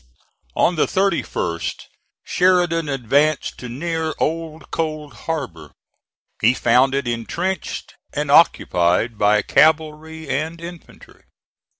On the 31st Sheridan advanced to near Old Cold Harbor. He found it intrenched and occupied by cavalry and infantry.